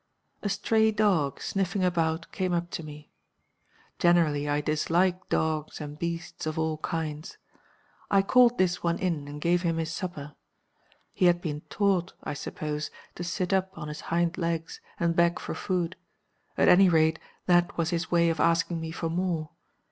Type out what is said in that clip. "A stray dog, sniffing about, came up to me. Generally I dislike dogs and beasts of all kinds. I called this one in and gave him his supper. He had been taught (I suppose) to sit up on his hind legs and beg for food; at any rate, that was his way of asking me for more.